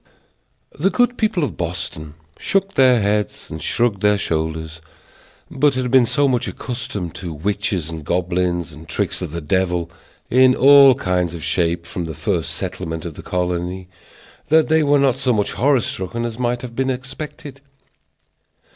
The good people of Boston shook their heads and shrugged their shoulders, but had been so much accustomed to witches and goblins, and tricks of the devil, in all kinds of shapes, from the first settlement of the colony, that they were not so much horror struck as might have been expected.